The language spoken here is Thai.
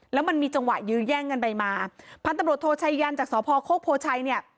แล้วมันมีจังหวะยื้อแย่งกันไปมาพันตำรวจโทชัยยันจากสพโคกโพชัยเนี่ย